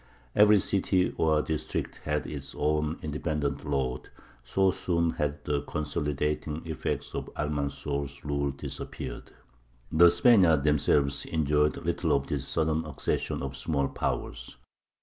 Every city or district had its own independent lord so soon had the consolidating effects of Almanzor's rule disappeared. The Spaniards themselves enjoyed little of this sudden accession of small powers.